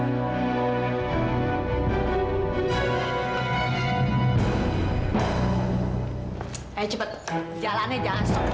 ayo cepat jalannya jangan stop